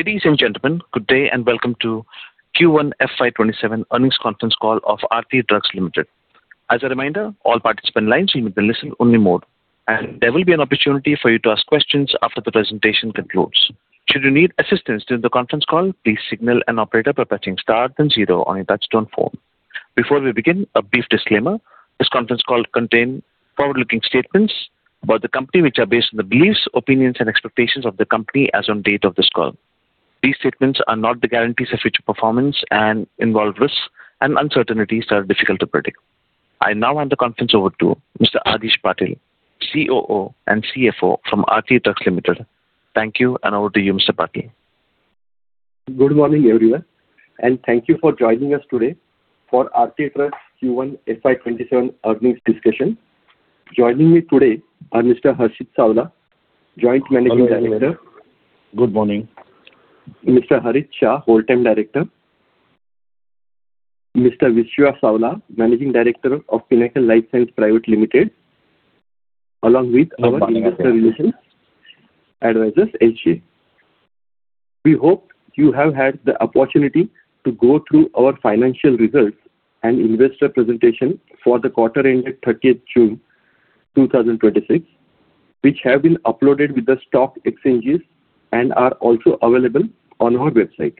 Ladies and gentlemen, good day and welcome to Q1 FY 2027 earnings conference call of Aarti Drugs Limited. As a reminder, all participant lines will be in listen-only mode, and there will be an opportunity for you to ask questions after the presentation concludes. Should you need assistance during the conference call, please signal an operator by pressing star then zero on your touch-tone phone. Before we begin, a brief disclaimer. This conference call contains forward-looking statements about the company which are based on the beliefs, opinions, and expectations of the company as on date of this call. These statements are not the guarantees of future performance and involve risks and uncertainties that are difficult to predict. I now hand the conference over to Mr. Adhish Patil, COO and CFO from Aarti Drugs Limited. Thank you, and over to you, Mr. Patil. Good morning, everyone, and thank you for joining us today for Aarti Drugs Q1 FY 2027 earnings discussion. Joining me today are Mr. Harshit Savla, Joint Managing Director. Good morning. Mr. Harit Shah, Whole-time Director. Mr. Vishwa Savla, Managing Director of Pinnacle Life Science Private Limited, along with our- Good morning investor relations advisors, SGA. We hope you have had the opportunity to go through our financial results and investor presentation for the quarter ending June 30th, 2026, which have been uploaded with the stock exchanges and are also available on our website.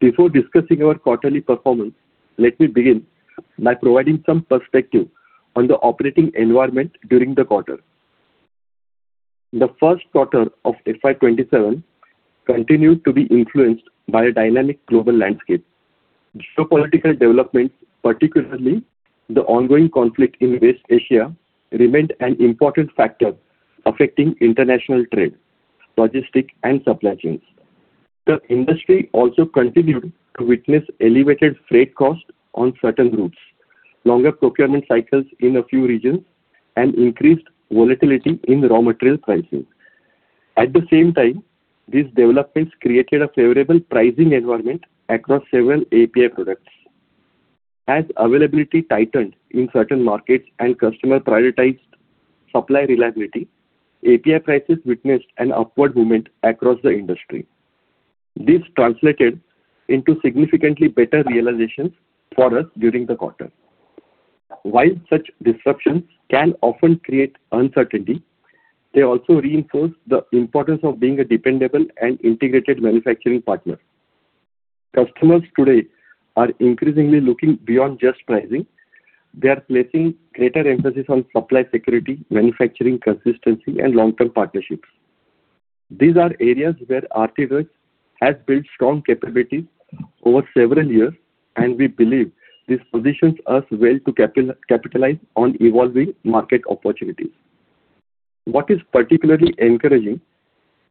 Before discussing our quarterly performance, let me begin by providing some perspective on the operating environment during the quarter. The first quarter of FY 2027 continued to be influenced by a dynamic global landscape. Geopolitical developments, particularly the ongoing conflict in West Asia, remained an important factor affecting international trade, logistics, and supply chains. The industry also continued to witness elevated freight costs on certain routes, longer procurement cycles in a few regions, and increased volatility in raw material pricing. At the same time, these developments created a favorable pricing environment across several API products. As availability tightened in certain markets and customers prioritized supply reliability, API prices witnessed an upward movement across the industry. This translated into significantly better realizations for us during the quarter. While such disruptions can often create uncertainty, they also reinforce the importance of being a dependable and integrated manufacturing partner. Customers today are increasingly looking beyond just pricing. They are placing greater emphasis on supply security, manufacturing consistency, and long-term partnerships. These are areas where Aarti Drugs has built strong capabilities over several years, and we believe this positions us well to capitalize on evolving market opportunities. What is particularly encouraging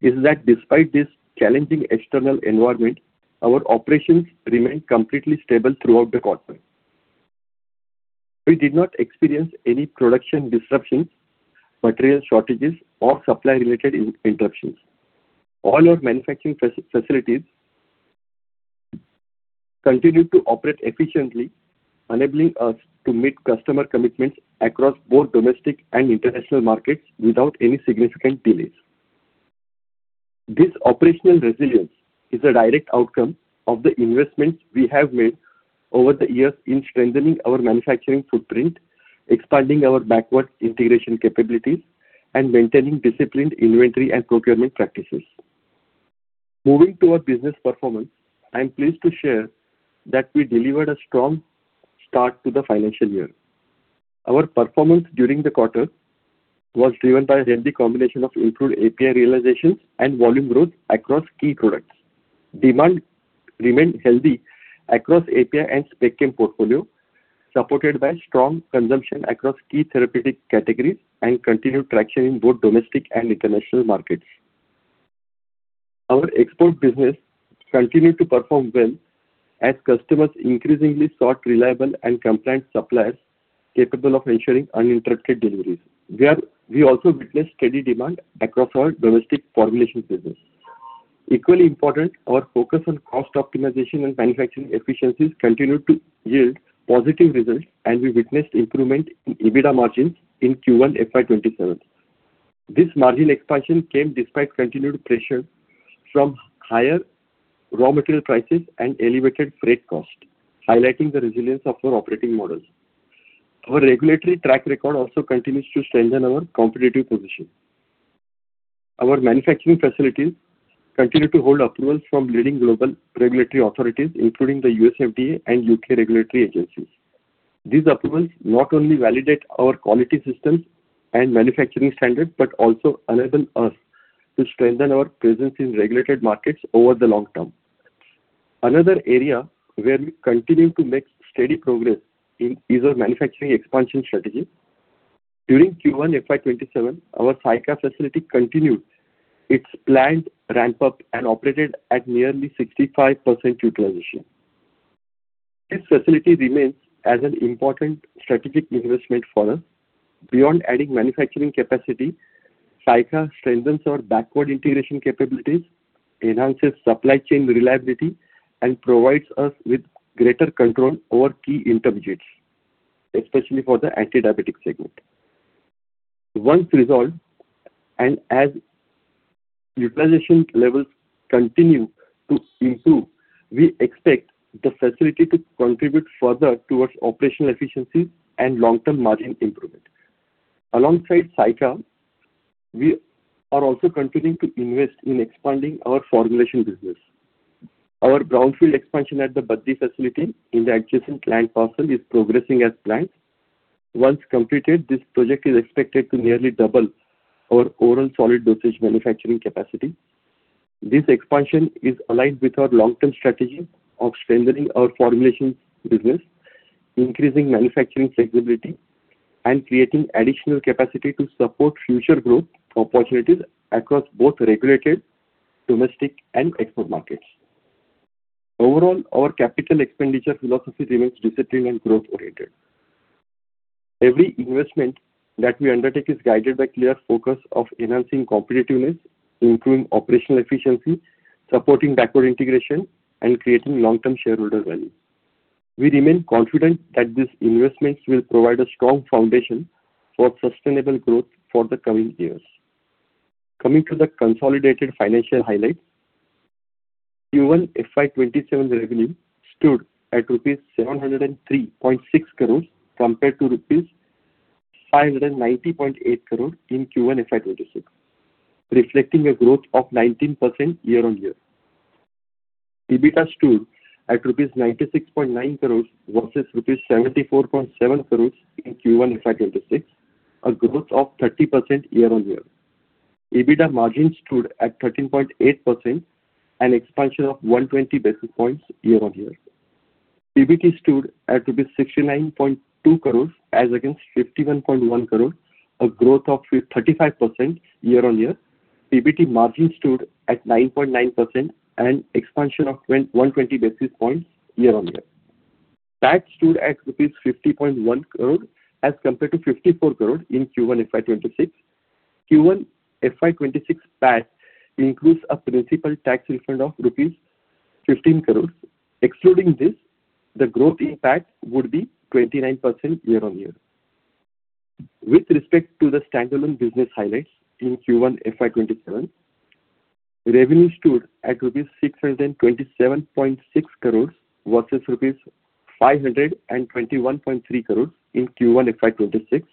is that despite this challenging external environment, our operations remained completely stable throughout the quarter. We did not experience any production disruptions, material shortages, or supply-related interruptions. All our manufacturing facilities continued to operate efficiently, enabling us to meet customer commitments across both domestic and international markets without any significant delays. This operational resilience is a direct outcome of the investments we have made over the years in strengthening our manufacturing footprint, expanding our backward integration capabilities, and maintaining disciplined inventory and procurement practices. Moving to our business performance, I am pleased to share that we delivered a strong start to the financial year. Our performance during the quarter was driven by a healthy combination of improved API realizations and volume growth across key products. Demand remained healthy across API and Spec Chem portfolio, supported by strong consumption across key therapeutic categories and continued traction in both domestic and international markets. Our export business continued to perform well as customers increasingly sought reliable and compliant suppliers capable of ensuring uninterrupted deliveries. We also witnessed steady demand across our domestic formulation business. Equally important, our focus on cost optimization and manufacturing efficiencies continued to yield positive results, and we witnessed improvement in EBITDA margins in Q1 FY 2027. This margin expansion came despite continued pressure from higher raw material prices and elevated freight costs, highlighting the resilience of our operating models. Our regulatory track record also continues to strengthen our competitive position. Our manufacturing facilities continue to hold approvals from leading global regulatory authorities, including the U.S. FDA and U.K. regulatory agencies. These approvals not only validate our quality systems and manufacturing standards, but also enable us to strengthen our presence in regulated markets over the long term. Another area where we continue to make steady progress is our manufacturing expansion strategy. During Q1 FY 2027, our Sayakha facility continued its planned ramp-up and operated at nearly 65% utilization. This facility remains as an important strategic investment for us. Beyond adding manufacturing capacity, Sayakha strengthens our backward integration capabilities, enhances supply chain reliability, and provides us with greater control over key intermediates, especially for the antidiabetic segment. Once resolved and as utilization levels continue to improve, we expect the facility to contribute further towards operational efficiency and long-term margin improvement. Alongside Sayakha, we are also continuing to invest in expanding our formulation business. Our brownfield expansion at the Baddi facility in the adjacent land parcel is progressing as planned. Once completed, this project is expected to nearly double our overall solid dosage manufacturing capacity. This expansion is aligned with our long-term strategy of strengthening our formulations business, increasing manufacturing flexibility, and creating additional capacity to support future growth opportunities across both regulated domestic and export markets. Overall, our capital expenditure philosophy remains disciplined and growth-oriented. Every investment that we undertake is guided by clear focus of enhancing competitiveness, improving operational efficiency, supporting backward integration, and creating long-term shareholder value. We remain confident that these investments will provide a strong foundation for sustainable growth for the coming years. Coming to the consolidated financial highlights. Q1 FY 2027 revenue stood at rupees 703.6 crores compared to rupees 590.8 crores in Q1 FY 2026, reflecting a growth of 19% year-on-year. EBITDA stood at 96.9 crores rupees versus 74.7 crores rupees in Q1 FY 2026, a growth of 30% year-on-year. EBITDA margin stood at 13.8%, an expansion of 120 basis points year-on-year. PBT stood at rupees 69.2 crores as against 51.1 crores, a growth of 35% year-on-year. PBT margin stood at 9.9% and expansion of 120 basis points year-on-year. Tax stood at rupees 50.1 crores as compared to 54 crores in Q1 FY 2026. Q1 FY 2026 tax includes a principal tax refund of rupees 15 crores. Excluding this, the growth impact would be 29% year-on-year. With respect to the standalone business highlights in Q1 FY 2027, revenue stood at INR 627.6 crores versus INR 521.3 crores in Q1 FY 2026,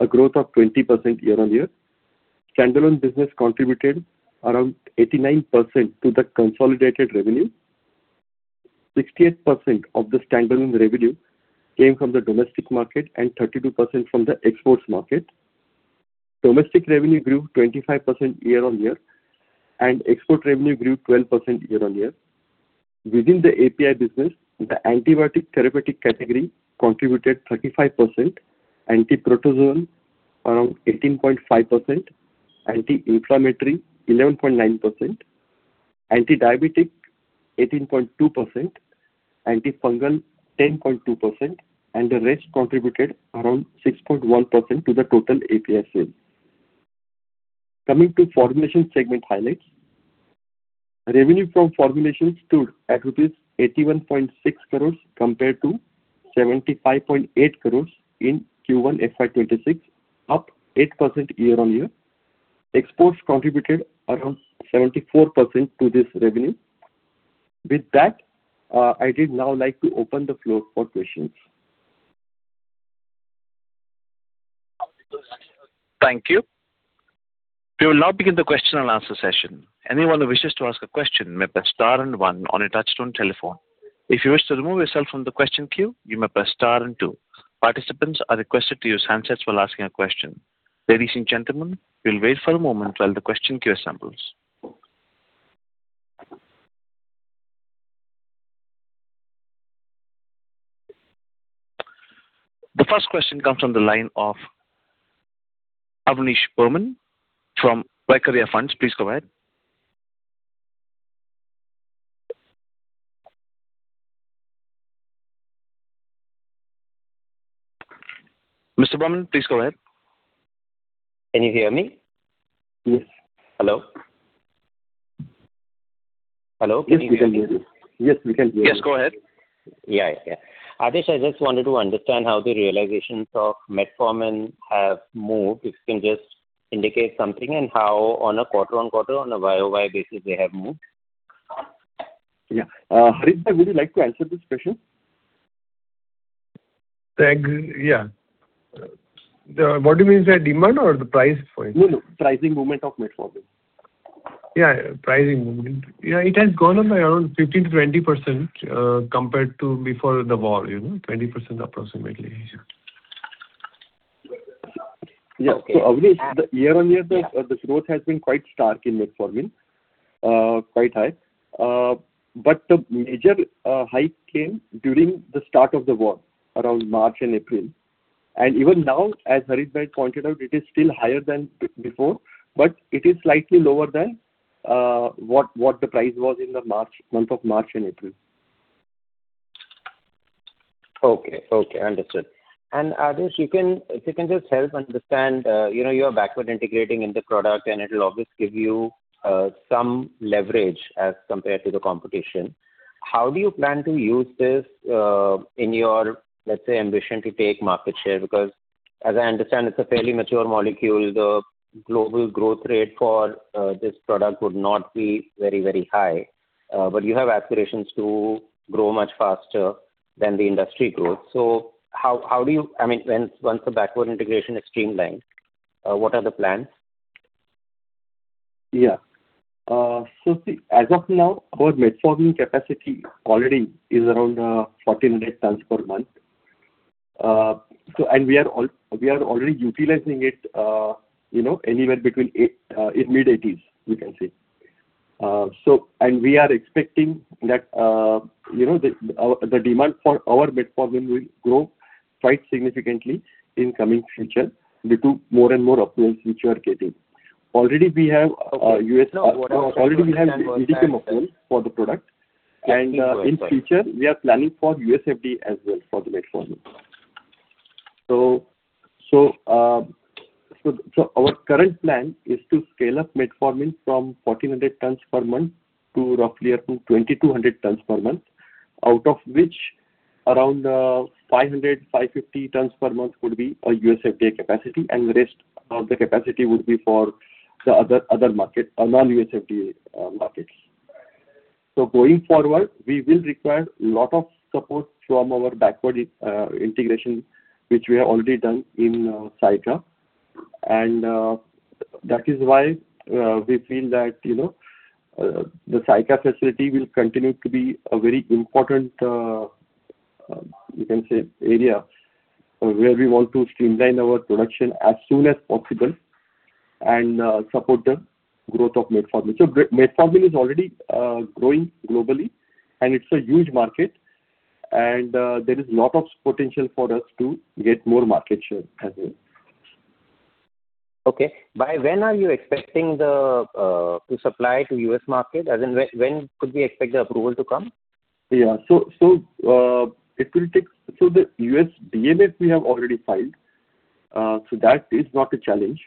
a growth of 20% year-on-year. Standalone business contributed around 89% to the consolidated revenue. 68% of the standalone revenue came from the domestic market and 32% from the exports market. Domestic revenue grew 25% year-on-year, and export revenue grew 12% year-on-year. Within the API business, the antibiotic therapeutic category contributed 35%, antiprotozoan around 18.5%, anti-inflammatory 11.9%, anti-diabetic 18.2%, antifungal 10.2%, and the rest contributed around 6.1% to the total API sales. Coming to formulation segment highlights. Revenue from formulation stood at rupees 81.6 crore compared to 75.8 crore in Q1 FY 2026, up 8% year-on-year. Exports contributed around 74% to this revenue. With that, I did now like to open the floor for questions. Thank you. We will now begin the question-and-answer session. Anyone who wishes to ask a question may press star and one on a touch-tone telephone. If you wish to remove yourself from the question queue, you may press star and two. Participants are requested to use handsets while asking a question. Ladies and gentlemen, we will wait for a moment while the question queue assembles. The first question comes from the line of Avaneesh Burman from BlackRock Funds. Please go ahead. Mr. Burman, please go ahead. Can you hear me? Yes. Hello? Hello, can you hear me? Yes, we can hear you. Yes, go ahead. Yeah. Adhish, I just wanted to understand how the realizations of metformin have moved, if you can just indicate something and how on a quarter-on-quarter on a YoY basis they have moved. Yeah. Harit, would you like to answer this question? Thanks. Yeah. What do you mean, sir? Demand or the price for it? No, pricing movement of metformin. Yeah, pricing movement. It has gone up by around 15%-20%, compared to before the war. 20% approximately. Yeah. Avaneesh, year-over-year, the growth has been quite stark in metformin. Quite high. The major hike came during the start of the war around March and April. Even now, as Harit pointed out, it is still higher than before, but it is slightly lower than what the price was in the month of March and April. Okay. Understood. Adhish, if you can just help understand, you're backward integrating in the product, and it'll always give you some leverage as compared to the competition. How do you plan to use this in your, let's say, ambition to take market share? Because as I understand, it's a fairly mature molecule. The global growth rate for this product would not be very high. You have aspirations to grow much faster than the industry growth. Once the backward integration is streamlined, what are the plans? Yeah. As of now, our metformin capacity already is around 1,400 tons per month. We are already utilizing it anywhere between mid-eighties, we can say. We are expecting that the demand for our metformin will grow quite significantly in coming future due to more and more approvals which we are getting. Okay. No, what I was trying to understand was that. Already we have EDQM approval for the product, in future we are planning for U.S. FDA as well for the metformin. Our current plan is to scale up metformin from 1,400 tons per month to roughly up to 2,200 tons per month, out of which around 500, 550 tons per month would be a U.S. FDA capacity and rest of the capacity would be for the other market, a non-U.S. FDA market. Going forward, we will require lot of support from our backward integration, which we have already done in Sayakha. That is why we feel that the Sayakha facility will continue to be a very important area where we want to streamline our production as soon as possible and support the growth of metformin. Metformin is already growing globally, and it's a huge market, and there is lot of potential for us to get more market share as well. By when are you expecting to supply to U.S. market, as in when could we expect the approval to come? The U.S. DMF we have already filed so that is not a challenge.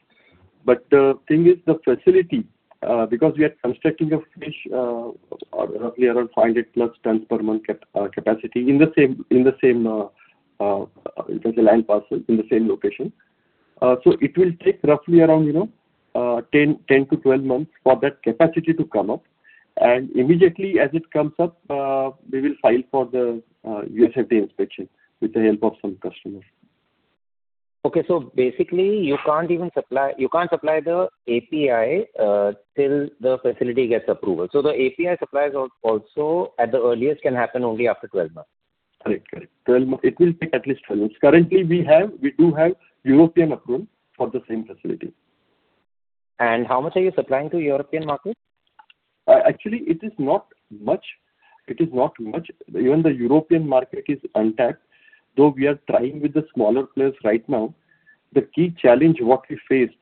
The thing is the facility because we are constructing a fresh roughly around 500-plus tons per month capacity in the same land parcel, in the same location. It will take roughly around 10-12 months for that capacity to come up and immediately as it comes up, we will file for the U.S. FDA inspection with the help of some customers. Basically you can't supply the API till the facility gets approval. The API supplies also at the earliest can happen only after 12 months. Correct. It will take at least 12 months. Currently, we do have European approval for the same facility. How much are you supplying to European market? Actually, it is not much. Even the European market is untapped, though we are trying with the smaller players right now. The key challenge what we faced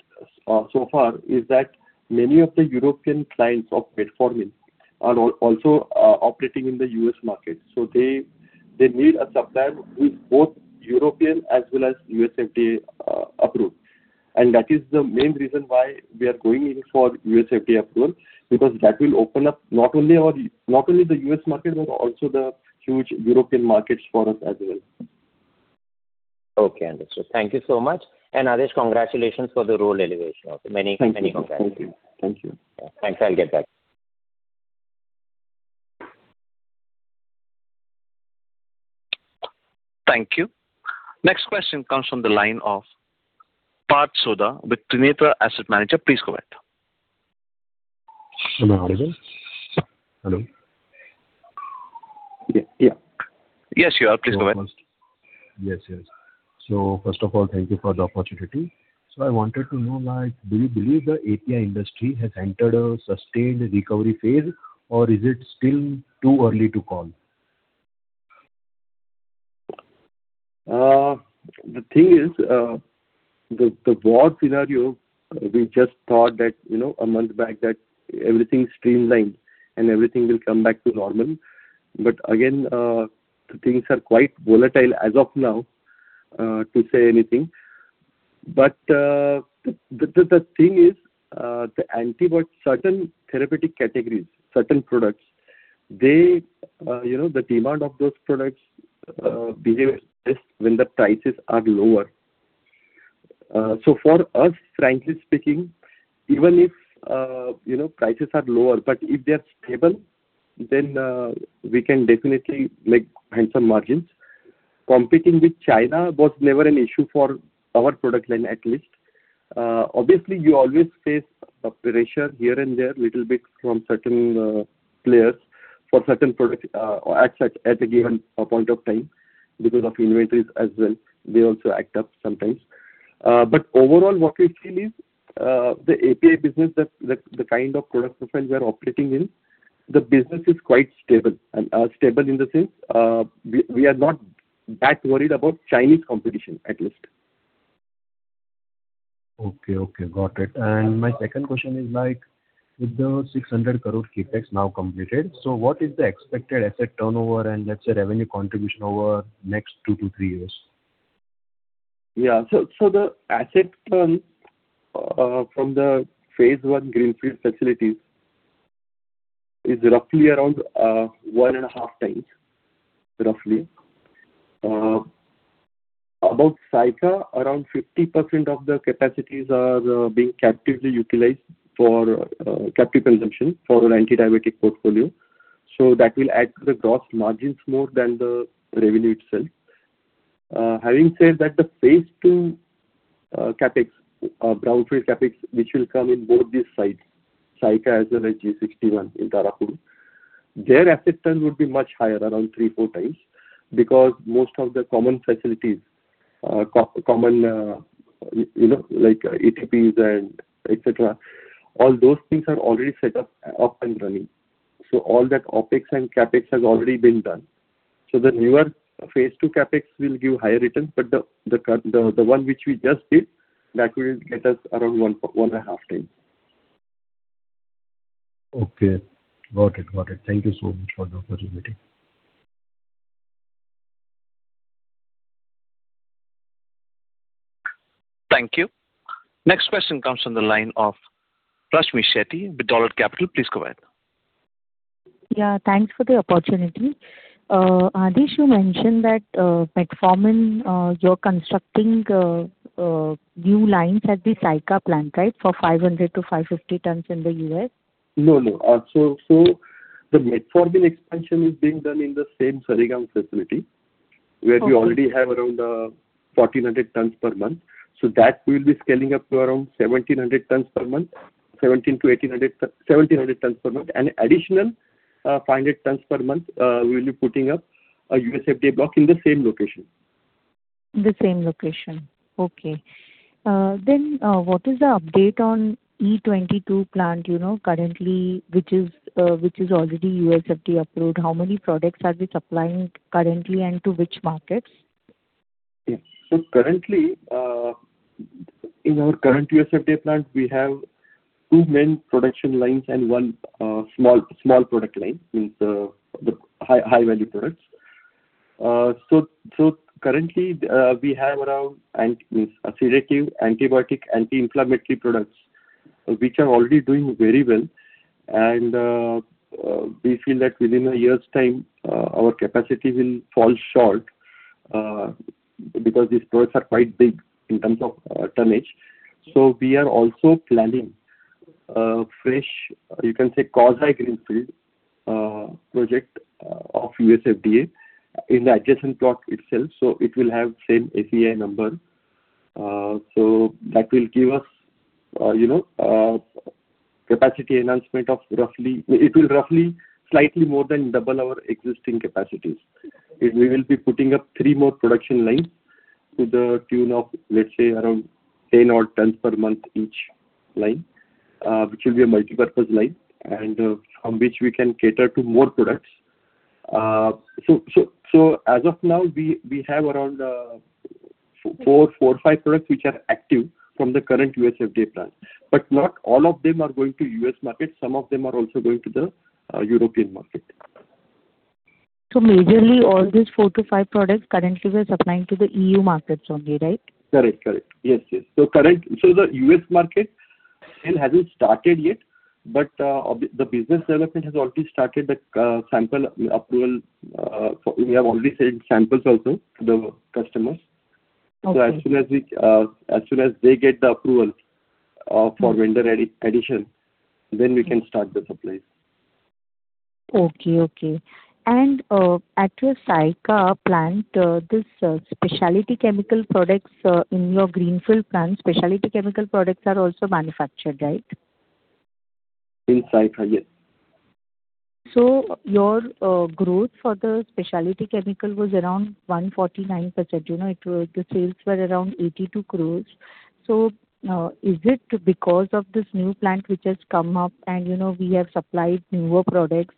so far is that many of the European clients of metformin are also operating in the U.S. market, so they need a supplier with both European as well as U.S. FDA approval. That is the main reason why we are going in for U.S. FDA approval because that will open up not only the U.S. market but also the huge European markets for us as well. Okay. Understood. Thank you so much. Adhish, congratulations for the role elevation also. Many congratulations. Thank you. Thanks. I'll get back. Thank you. Next question comes from the line of Parth Sodha with Trinetra Asset Management. Please go ahead. Am I audible? Hello? Yeah. Yes, you are. Please go ahead. Yes. First of all, thank you for the opportunity. I wanted to know, do you believe the API industry has entered a sustained recovery phase or is it still too early to call? The thing is the broad scenario, we just thought a month back that everything streamlined and everything will come back to normal. Again things are quite volatile as of now to say anything. The thing is the antibiotic, certain therapeutic categories, certain products, the demand of those products behave as this when the prices are lower. For us, frankly speaking, even if prices are lower, but if they are stable then we can definitely make handsome margins. Competing with China was never an issue for our product line, at least. Obviously, you always face pressure here and there little bit from certain players for certain products at a given point of time because of inventories as well. They also act up sometimes. Overall what we feel is the API business, the kind of product profile we are operating in, the business is quite stable. Stable in the sense we are not that worried about Chinese competition at least. Okay. Got it. My second question is with the 600 crore CapEx now completed, what is the expected asset turnover and, let's say, revenue contribution over next two to three years? The asset turn from the phase 1 greenfield facilities is roughly around one and a half times. About Sayakha, around 50% of the capacities are being captively utilized for capital consumption for our anti-diabetic portfolio. That will add to the gross margins more than the revenue itself. Having said that, the phase 2 brownfield CapEx, which will come in both these sites, Sayakha as well as G61 in Tarapur, their asset turn would be much higher, around three, four times, because most of the common facilities, like ETPs and etcetera, all those things are already set up and running. All that OpEx and CapEx has already been done. The newer phase 2 CapEx will give higher returns, but the one which we just did, that will get us around 1.5x. Okay. Got it. Thank you so much for the opportunity. Thank you. Next question comes from the line of Rashmi Shetty with Dolat Capital. Please go ahead. Yeah, thanks for the opportunity. Adhish, you mentioned that metformin, you're constructing new lines at the Sayakha plant, right? For 500-550 tons in the U.S. No. The metformin expansion is being done in the same Sarigam facility. Okay. Where we already have around 1,400 tons per month. That we'll be scaling up to around 1,700 tons per month, and additional 500 tons per month, we'll be putting up a U.S. FDA block in the same location. The same location. Okay. What is the update on E-22 plant currently, which is already U.S. FDA approved? How many products are we supplying currently and to which markets? Yes. Currently, in our current U.S. FDA plant, we have two main production lines and one small product line, means the high-value products. Currently, we have around sedative, antibiotic, anti-inflammatory products which are already doing very well, and we feel that within a year's time, our capacity will fall short because these products are quite big in terms of tonnage. We are also planning a fresh, you can say, quasi greenfield project of U.S. FDA in the adjacent plot itself, so it will have same API number. That will give us capacity enhancement. It will roughly, slightly more than double our existing capacities. We will be putting up three more production lines to the tune of, let's say around 10 per month, each line, which will be a multipurpose line and from which we can cater to more products. As of now, we have around four, five products which are active from the current U.S. FDA plant. Not all of them are going to U.S. market. Some of them are also going to the European market. Majorly, all these four to five products currently we're supplying to the EU markets only, right? Correct. Yes. The U.S. market still hasn't started yet, the business development has already started the sample approval. We have already sent samples also to the customers. Okay. As soon as they get the approval for vendor addition, then we can start the supplies. Okay. At your Sayakha plant, these Specialty Chemical products in your greenfield plant, Specialty Chemical products are also manufactured, right? In Sayakha, yes. Your growth for the Specialty Chemical was around 149%. The sales were around 82 crores. Is it because of this new plant which has come up and we have supplied newer products?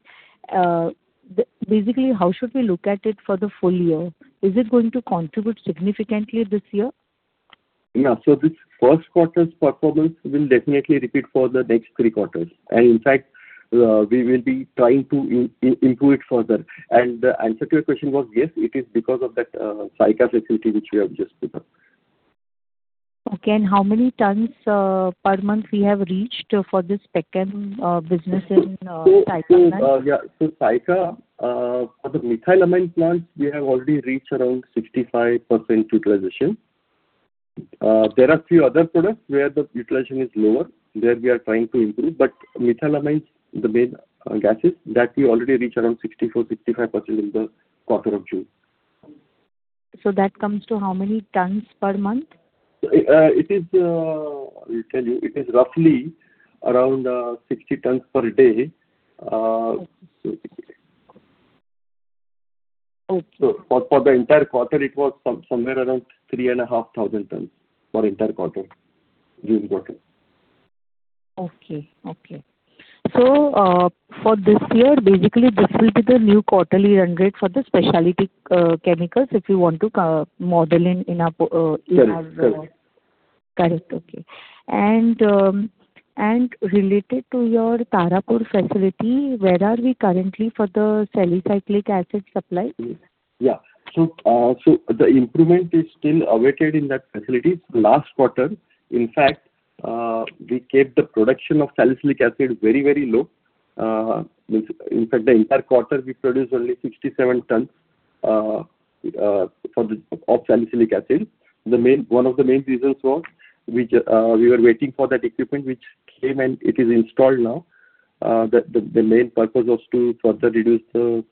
Basically, how should we look at it for the full year? Is it going to contribute significantly this year? This first quarter's performance will definitely repeat for the next three quarters. In fact, we will be trying to improve it further. The answer to your question was, yes, it is because of that Sayakha facility which we have just put up. How many tons per month we have reached for this Spec Chem business in Sayakha plant? Sayakha, for the methylamine plant, we have already reached around 65% utilization. There are a few other products where the utilization is lower. There we are trying to improve. methylamine's the main gases, that we already reach around 64%, 65% in the quarter of June. That comes to how many tons per month? I will tell you. It is roughly around 60 tons per day. Okay. For the entire quarter, it was somewhere around 3,500 tons for entire quarter, June quarter. Okay. For this year, basically this will be the new quarterly run rate for the Specialty Chemicals if you want to model in. Correct. Okay. Related to your Tarapur facility, where are we currently for the salicylic acid supply? Yeah. The improvement is still awaited in that facility. Last quarter, in fact, we kept the production of salicylic acid very low. In fact, the entire quarter we produced only 67 tons of salicylic acid. One of the main reasons was we were waiting for that equipment, which came, and it is installed now. The main purpose was to further reduce the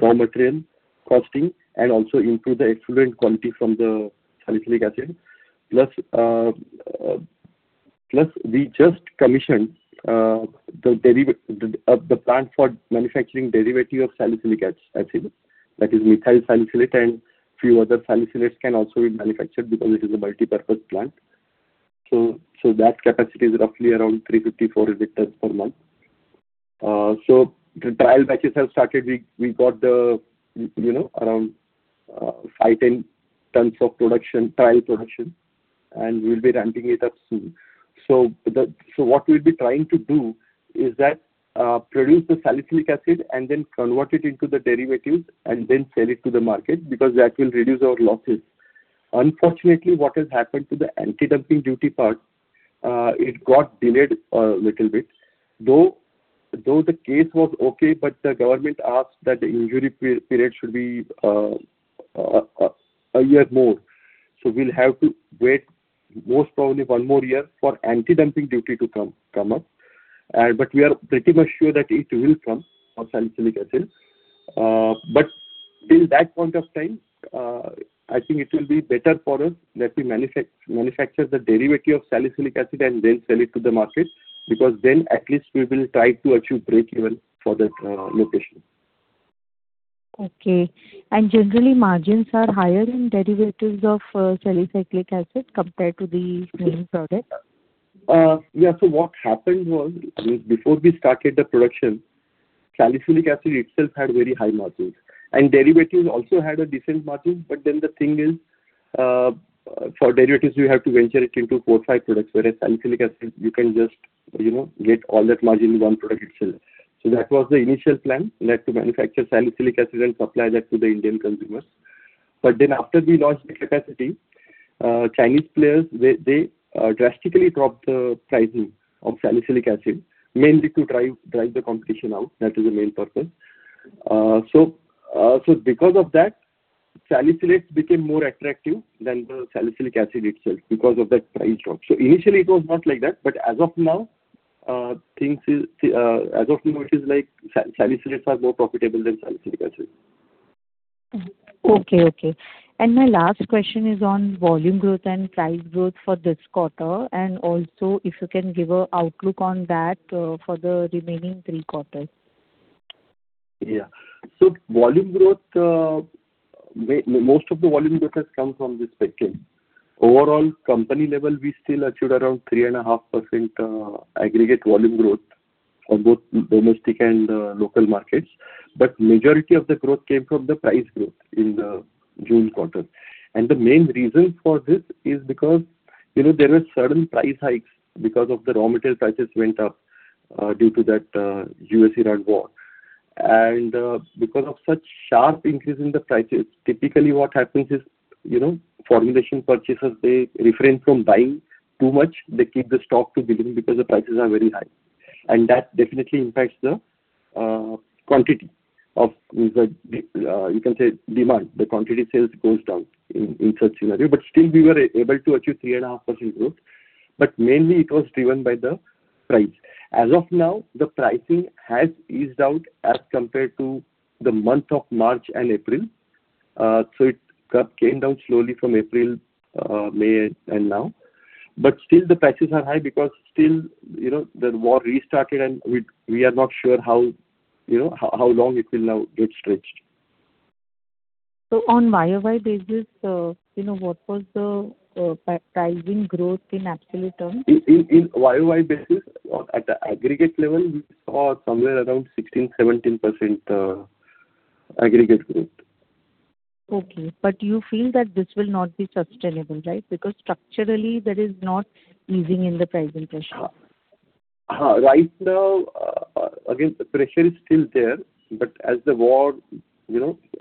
raw material costing and also improve the effluent quality from the salicylic acid. We just commissioned the plant for manufacturing derivative of salicylic acid, that is methyl salicylate and few other salicylates can also be manufactured because it is a multipurpose plant. That capacity is roughly around 354 tons per month. The trial batches have started. We got around 5, 10 tons of trial production, we'll be ramping it up soon. What we'll be trying to do is that produce the salicylic acid and then convert it into the derivatives and then sell it to the market because that will reduce our losses. Unfortunately, what has happened to the anti-dumping duty part, it got delayed a little bit. Though the case was okay, the government asked that the injury period should be one year more. We'll have to wait most probably one more year for anti-dumping duty to come up. We are pretty much sure that it will come for salicylic acid. Till that point of time, I think it will be better for us that we manufacture the derivative of salicylic acid and then sell it to the market because then at least we will try to achieve breakeven for that location. Okay. Generally, margins are higher in derivatives of salicylic acid compared to the main product? Yeah. What happened was, before we started the production, salicylic acid itself had very high margins and derivatives also had a decent margin. The thing is, for derivatives, we have to venture it into four or five products, whereas salicylic acid you can just get all that margin in one product itself. That was the initial plan, that to manufacture salicylic acid and supply that to the Indian consumers. After we launched the capacity, Chinese players, they drastically dropped the pricing of salicylic acid, mainly to drive the competition out. That is the main purpose. Because of that, salicylates became more attractive than the salicylic acid itself because of that price drop. Initially it was not like that, but as of now it is like salicylates are more profitable than salicylic acid. Okay. My last question is on volume growth and price growth for this quarter, also if you can give a outlook on that for the remaining three quarters. Yeah. Most of the volume growth has come from this segment. Overall company level, we still achieved around 3.5% aggregate volume growth on both domestic and local markets. Majority of the growth came from the price growth in the June quarter. The main reason for this is because there were certain price hikes because of the raw material prices went up due to that U.S.-Iran war. Because of such sharp increase in the prices, typically what happens is formulation purchasers, they refrain from buying too much. They keep the stock to minimum because the prices are very high. That definitely impacts the quantity of, you can say, demand. The quantity sales goes down in such scenario. Still we were able to achieve 3.5% growth, but mainly it was driven by the price. As of now, the pricing has eased out as compared to the month of March and April. It came down slowly from April, May and now. Still the prices are high because still the war restarted and we are not sure how long it will now get stretched. On YoY basis, what was the pricing growth in absolute terms? In YoY basis, at the aggregate level, we saw somewhere around 16, 17% aggregate growth. Okay. You feel that this will not be sustainable, right? Structurally there is not easing in the pricing pressure. Right now, again, the pressure is still there, but as the war,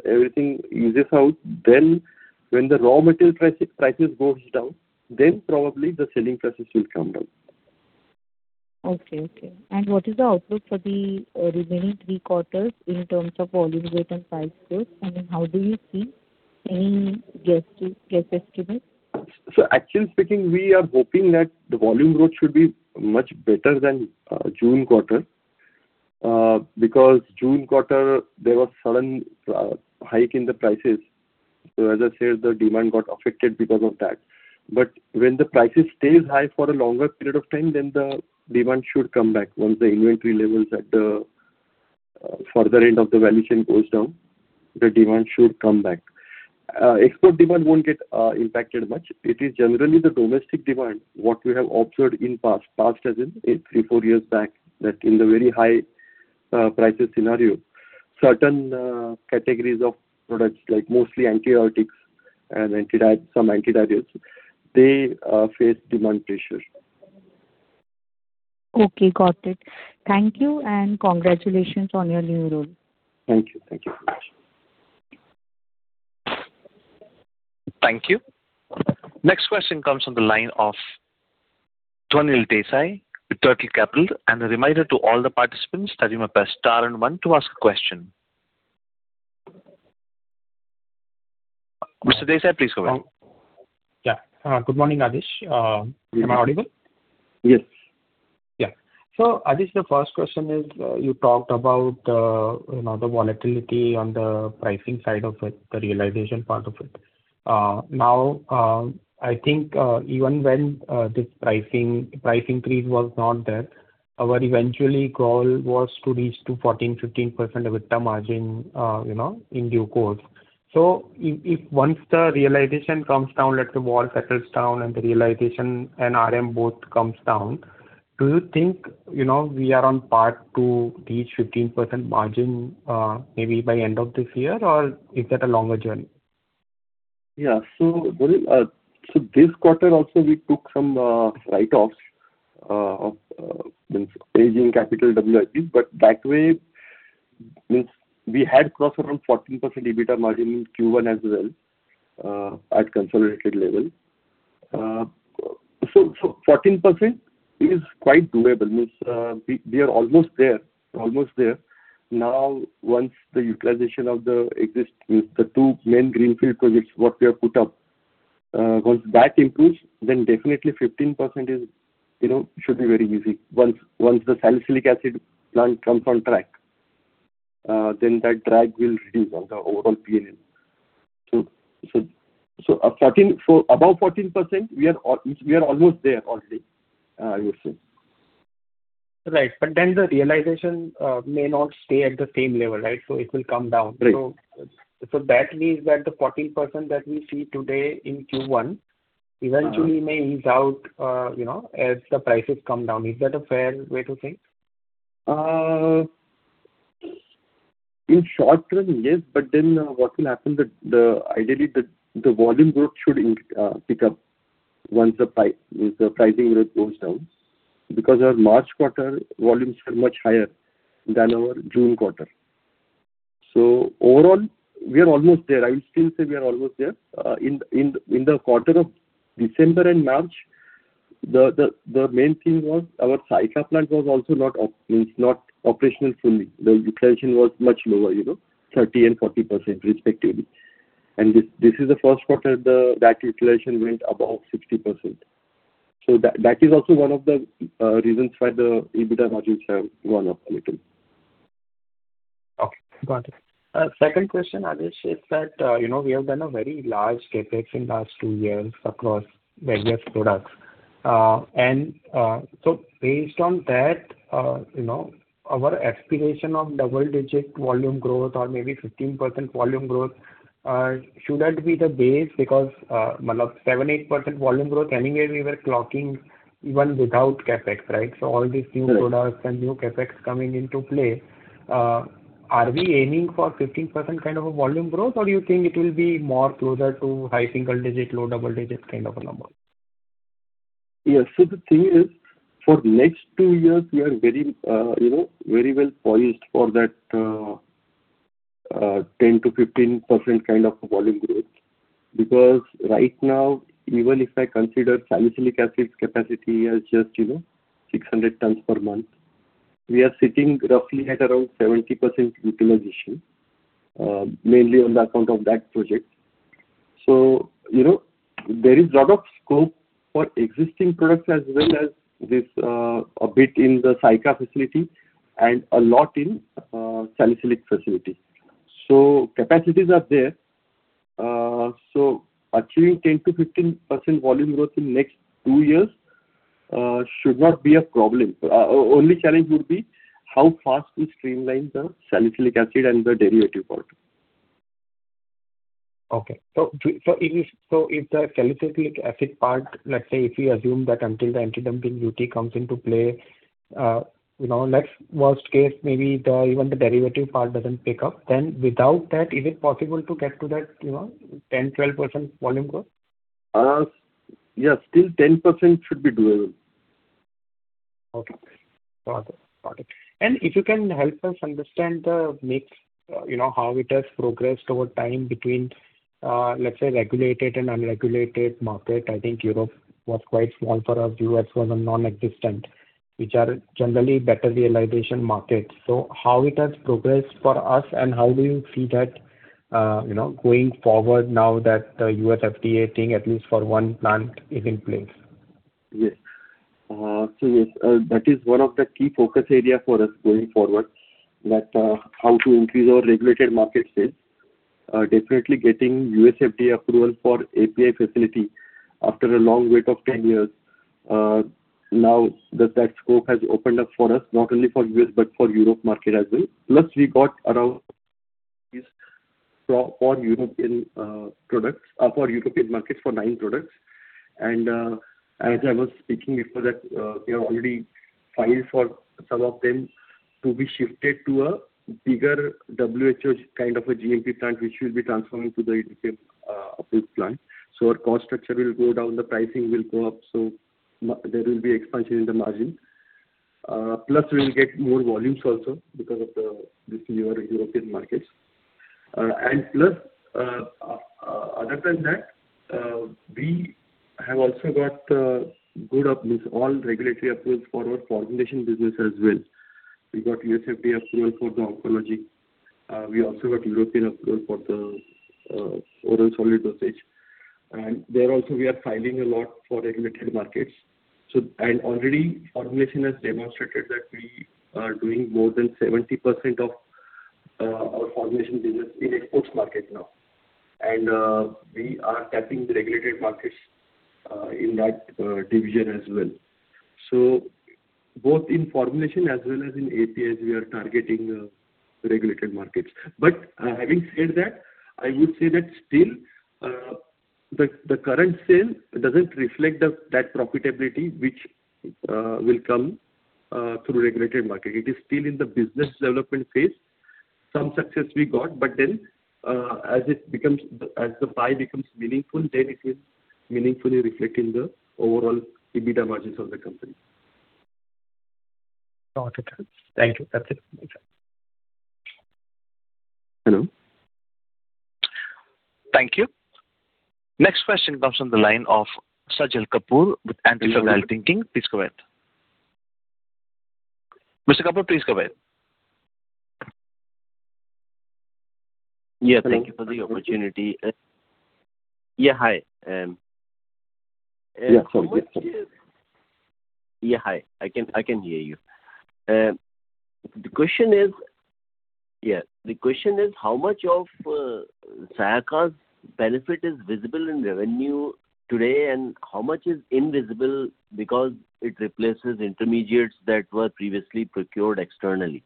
everything eases out, then when the raw material prices goes down, then probably the selling prices will come down. Okay. What is the outlook for the remaining three quarters in terms of volume growth and price growth? I mean, how do you see any guess estimate? Actually speaking, we are hoping that the volume growth should be much better than June quarter. June quarter, there was sudden hike in the prices. As I said, the demand got affected because of that. When the prices stays high for a longer period of time, then the demand should come back. Once the inventory levels at the further end of the value chain goes down, the demand should come back. Export demand won't get impacted much. It is generally the domestic demand, what we have observed in past as in three, four years back, that in the very high prices scenario, certain categories of products, like mostly antibiotics and some antidiarrheals, they face demand pressure. Okay, got it. Thank you and congratulations on your new role. Thank you. Thank you. Next question comes on the line of Dhwanil Desai with Turtle Capital. A reminder to all the participants that you must press star and one to ask a question. Mr. Desai, please go ahead. Yeah. Good morning, Adhish. Am I audible? Yes. Yeah. Adhish, the first question is, you talked about the volatility on the pricing side of it, the realization part of it. I think even when this price increase was not there, our eventual goal was to reach to 14%-15% EBITDA margin in due course. If once the realization comes down, let the volatility settles down and the realization and RM both comes down, do you think we are on par to reach 15% margin maybe by end of this year, or is that a longer journey? Yeah. This quarter also, we took some write-offs of aging CWIP, but that way, we had crossed around 14% EBITDA margin in Q1 as well, at consolidated level. 14% is quite doable. We are almost there. Once the utilization of the two main greenfield projects, what we have put up, once that improves, then definitely 15% should be very easy. Once the salicylic acid plant comes on track, then that drag will reduce on the overall P&L. Above 14%, we are almost there already. Right. The realization may not stay at the same level, right? It will come down. Right. That means that the 14% that we see today in Q1 eventually may ease out as the prices come down. Is that a fair way to think? In short term, yes. What will happen, ideally the volume growth should pick up once the pricing rate goes down, because our March quarter volumes were much higher than our June quarter. Overall, we are almost there. I would still say we are almost there. In the quarter of December and March, the main thing was our Sayakha plant was also not operational fully. The utilization was much lower, 30% and 40% respectively. This is the first quarter that utilization went above 60%. That is also one of the reasons why the EBITDA margins have gone up a little. Okay. Got it. Second question, Adhish, is that we have done a very large CapEx in last two years across various products. Based on that, our aspiration of double digit volume growth or maybe 15% volume growth, should that be the base? Because 7%-8% volume growth anyway we were clocking even without CapEx, right? All these new products and new CapEx coming into play, are we aiming for 15% kind of a volume growth or you think it will be more closer to high single digit, low double digits kind of a number? Yes. The thing is, for next two years we are very well poised for that 10%-15% kind of volume growth. Because right now, even if I consider salicylic acid capacity as just 600 tons per month, we are sitting roughly at around 70% utilization, mainly on the account of that project. There is lot of scope for existing products as well as this a bit in the Sayakha facility and a lot in salicylic facility. Capacities are there. Achieving 10%-15% volume growth in next two years should not be a problem. Only challenge would be how fast we streamline the salicylic acid and the derivative part. Okay. If the salicylic acid part, let's say if we assume that until the anti-dumping duty comes into play, next worst case, maybe even the derivative part doesn't pick up, then without that, is it possible to get to that 10%-12% volume growth? Yes. Still 10% should be doable. Okay. Got it. If you can help us understand the mix, how it has progressed over time between, let's say, regulated and unregulated market. I think Europe was quite small for us, U.S. was a nonexistent, which are generally better realization markets. How it has progressed for us and how do you see that going forward now that the U.S. FDA thing, at least for one plant, is in place? Yes. Yes, that is one of the key focus area for us going forward, how to increase our regulated market sales. Definitely getting U.S. FDA approval for API facility after a long wait of 10 years. Now that that scope has opened up for us, not only for U.S., but for Europe market as well. Plus we got around CEPs for European markets for nine products. As I was speaking before that, we have already filed for some of them to be shifted to a bigger WHO kind of a GMP plant, which will be transforming to the EDQM approved plant. Our cost structure will go down, the pricing will go up. There will be expansion in the margin. Plus we will get more volumes also because of the European markets. Plus, other than that, we have also got good approval. All regulatory approvals for our formulation business as well. We got U.S. FDA approval for the oncology. We also got European approval for the oral solid dosage. There also we are filing a lot for regulated markets. Already formulation has demonstrated that we are doing more than 70% of our formulation business in exports market now. We are tapping the regulated markets in that division as well. Both in formulation as well as in APIs, we are targeting regulated markets. Having said that, I would say that still the current sale doesn't reflect that profitability which will come through regulated market. It is still in the business development phase. Some success we got, but then as the pie becomes meaningful, then it is meaningfully reflecting the overall EBITDA margins of the company. Got it. Thank you. That's it. Hello. Thank you. Next question comes from the line of Sajal Kapoor with Antifragile Thinking. Please go ahead. Mr. Kapoor, please go ahead. Yeah, thank you for the opportunity. Yeah, hi. Yeah. How much. Yeah, hi. I can hear you. The question is, how much of Sayakha's benefit is visible in revenue today, and how much is invisible because it replaces intermediates that were previously procured externally?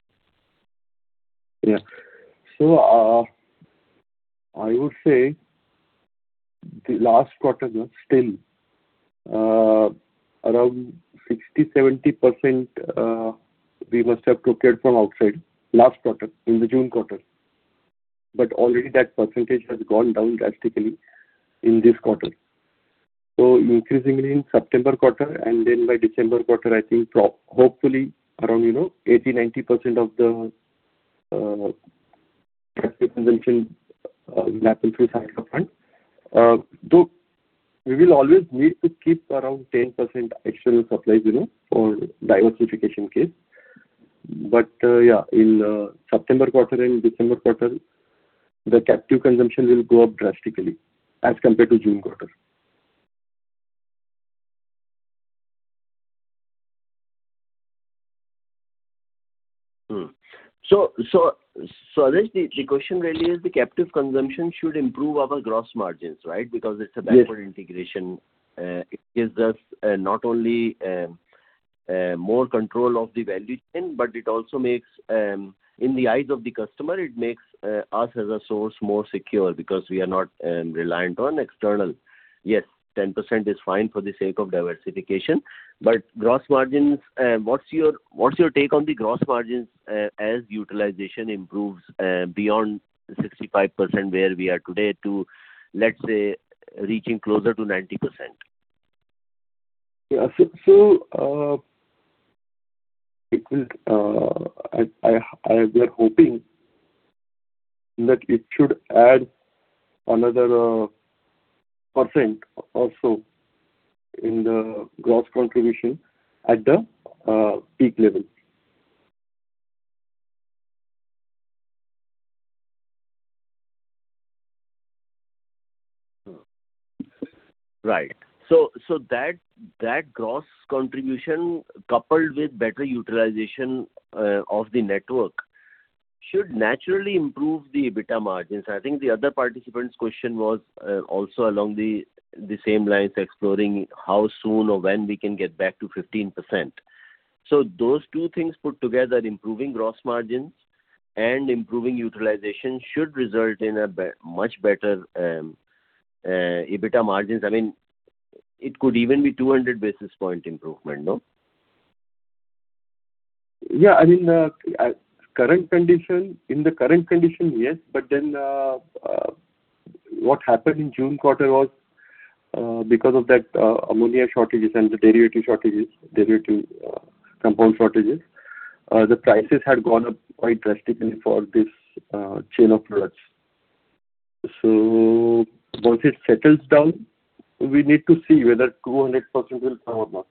Yeah. I would say the last quarter still, around 60%-70% we must have procured from outside last quarter, in the June quarter. Already that percentage has gone down drastically in this quarter. Increasingly in September quarter and then by December quarter, I think hopefully around 80%-90% of the captive consumption will happen through Sayakha plant. Though we will always need to keep around 10% external supplies for diversification case. Yeah, in September quarter and December quarter, the captive consumption will go up drastically as compared to June quarter. Adhish, the question really is the captive consumption should improve our gross margins, right? Because it's a- Yes ...backward integration. It gives us not only more control of the value chain, but it also makes, in the eyes of the customer, it makes us as a source more secure because we are not reliant on external. Yes, 10% is fine for the sake of diversification. What's your take on the gross margins as utilization improves beyond 65%, where we are today to, let's say, reaching closer to 90%? We are hoping that it should add another 1% or so in the gross contribution at the peak level. Right. That gross contribution coupled with better utilization of the network should naturally improve the EBITDA margins. I think the other participant's question was also along the same lines, exploring how soon or when we can get back to 15%. Those two things put together, improving gross margins and improving utilization should result in a much better EBITDA margins. I mean, it could even be 200 basis point improvement, no? Yeah, in the current condition, yes. What happened in June quarter was because of that ammonia shortages and the derivative compound shortages, the prices had gone up quite drastically for this chain of products. Once it settles down, we need to see whether 200 basis points will come or not.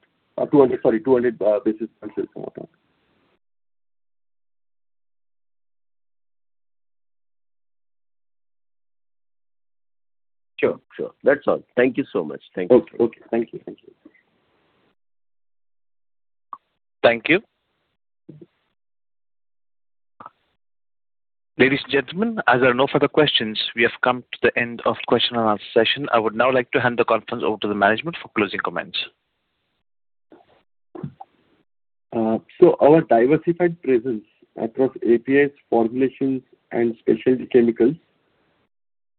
Sure. That's all. Thank you so much. Thank you. Okay. Thank you. Thank you. Ladies and gentlemen, as there are no further questions, we have come to the end of question-and-answer session. I would now like to hand the conference over to the management for closing comments. Our diversified presence across APIs, formulations and specialty chemicals,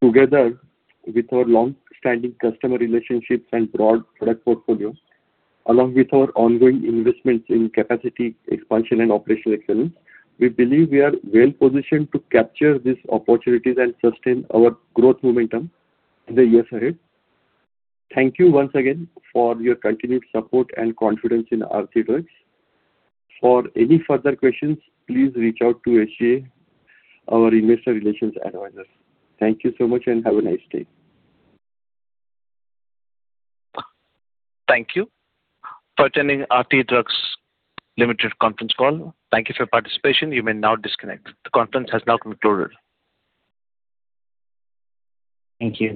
together with our longstanding customer relationships and broad product portfolio, along with our ongoing investments in capacity expansion and operational excellence, we believe we are well-positioned to capture these opportunities and sustain our growth momentum in the years ahead. Thank you once again for your continued support and confidence in Aarti Drugs. For any further questions, please reach out to SGA., our investor relations advisor. Thank you so much and have a nice day. Thank you for attending Aarti Drugs Limited conference call. Thank you for your participation. You may now disconnect. The conference has now concluded. Thank you.